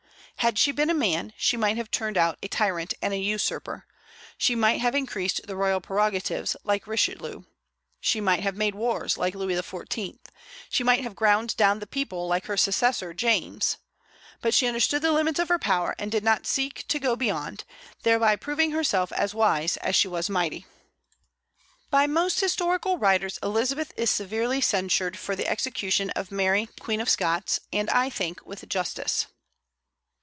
Had she been a man, she might have turned out a tyrant and a usurper: she might have increased the royal prerogatives, like Richelieu; she might have made wars, like Louis XIV.; she might have ground down the people, like her successor James. But she understood the limits of her power, and did not seek to go beyond: thereby proving herself as wise as she was mighty. By most historical writers Elizabeth is severely censured for the execution of Mary Queen of Scots, and I think with justice.